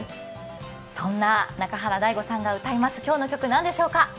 そんな中原大吾さんが歌います今日の曲、何でしょうか？